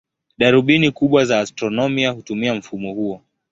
Darubini kubwa za astronomia hutumia mfumo huo.